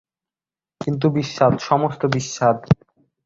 কিন্তু বিস্বাদ, সমস্ত বিস্বাদ!